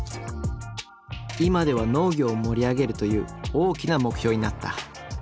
今では農業を盛り上げるという大きな目標になった。